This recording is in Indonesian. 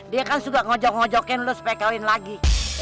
dia kan suka ngejok ngejokin lu supaya kawin lagi